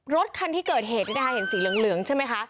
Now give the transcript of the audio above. รถคันที่เกิดเหตุเห็นสีเหลืองใช่ไหมคะ